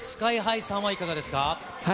ＳＫＹーＨＩさんはいかがですか？